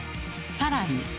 さらに。